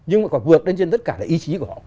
nhưng mà còn vượt lên trên tất cả là ý chí của họ